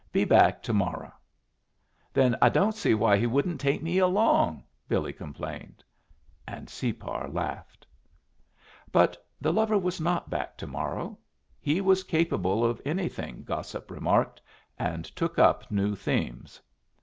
"Be back to morrow." "Then I don't see why he wouldn't take me along," Billy complained. And Separ laughed. But the lover was not back to morrow. He was capable of anything, gossip remarked, and took up new themes.